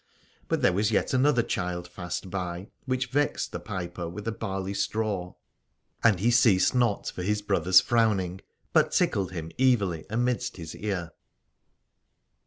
But there was yet another child fast by, which vexed the piper with a barley straw : and he 185 Aladore ceased not for his brother's frowning, but tickled him evilly amidst his ear.